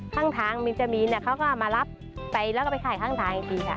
ข้างทางมินจามีนเขาก็มารับไปแล้วก็ไปขายข้างทางอีกทีค่ะ